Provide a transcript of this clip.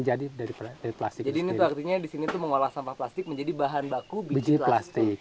jadi dari plastik jadi ini artinya disini mengolah sampah plastik menjadi bahan baku biji plastik